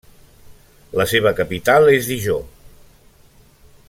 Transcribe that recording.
La seva capital és Dijon.